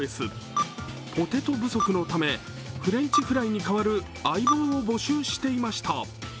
ポテト不足のため、フレンチフライに代わる相棒を募集していました。